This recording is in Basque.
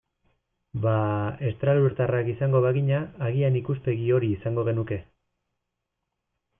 Bada, estralurtarrak izango bagina, agian ikuspegi hori izango genuke.